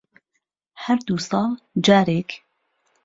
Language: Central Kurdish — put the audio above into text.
هەر دوو ساڵ جارێک